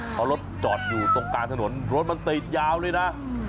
เพราะรถจอดอยู่ตรงกลางถนนรถมันติดยาวเลยนะ